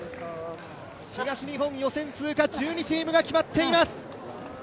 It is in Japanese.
東予選通過１２チームが決まっています。